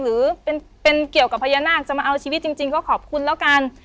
หรือเป็นเกี่ยวกับพญานาคจะมาเอาชีวิตจริงก็ขอบคุณแล้วกัน